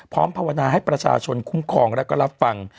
ภาวนาให้ประชาชนคุ้มครองและก็รับฟัง